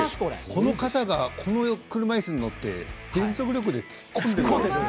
この方がこの車いすに乗って全速力で突っ込んでくる。